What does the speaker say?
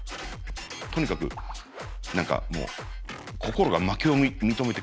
とにかく何かもう心が負けを認めて悔しいみたいな。